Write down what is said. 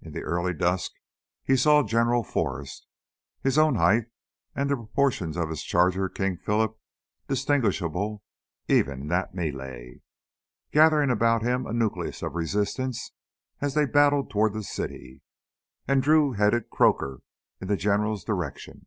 In the early dusk he saw General Forrest his own height and the proportions of his charger King Phillip distinguishable even in that melee gathering about him a nucleus of resistance as they battled toward the city. And Drew headed Croaker in the General's direction.